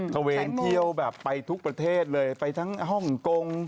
เวนเที่ยวแบบไปทุกประเทศเลยไปทั้งฮ่องกง